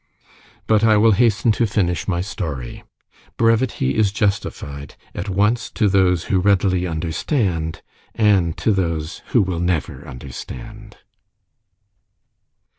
But I will hasten to finish my story. Brevity is justified at once to those who readily understand, and to those who will never understand.